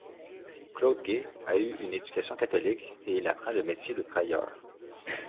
Claude Gay a eu une éducation catholique et il apprend le métier de tailleur.